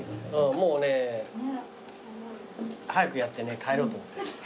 もうね早くやって帰ろうと思って。